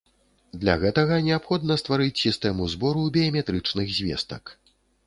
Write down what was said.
Для гэтага неабходна стварыць сістэму збору біяметрычных звестак.